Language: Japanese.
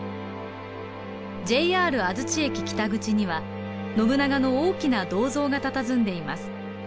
ＪＲ安土駅北口には信長の大きな銅像がたたずんでいます。